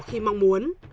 khi mong muốn